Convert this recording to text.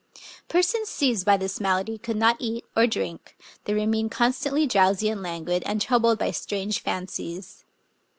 Persons seized by this malady could not eat or drink ; they remained constantly drowsy and languid, and troubled by strange fancies.